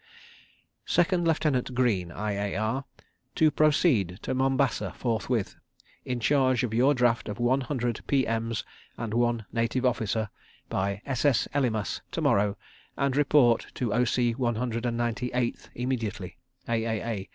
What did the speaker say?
_ Second Lieutenant Greene, I.A.R., to proceed to Mombasa forthwith in charge of your draft of one hundred P.M.'s and one Native Officer, by s.s. Elymas to morrow and report to O.C., One Hundred and Ninety Eighth immediately. _A.A.A.